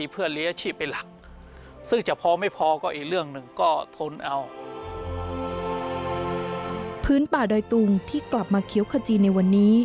พื้นป่าดอยตุงที่กลับมาเคี้ยวขจีในวันนี้